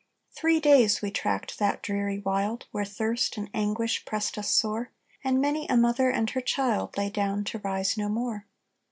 "Three days we tracked that dreary wild, Where thirst and anguish pressed us sore; And many a mother and her child Lay down to rise no more.